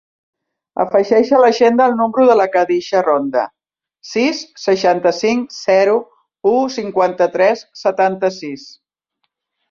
Afegeix a l'agenda el número de la Khadija Ronda: sis, seixanta-cinc, zero, u, cinquanta-tres, setanta-sis.